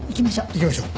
行きましょう。